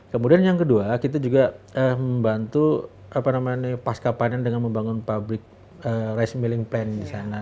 kemudian yang kedua kita juga membantu pasca panen dengan membangun pabrik rice milling plan di sana